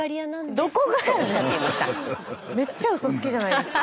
めっちゃうそつきじゃないですか。